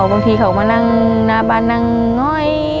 บางทีเค้ามั้งนั่งนาม้านั่งน้อย